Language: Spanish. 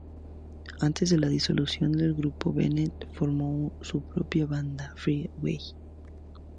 Antes de la disolución del grupo, Bennett formó su propia banda, Freeway.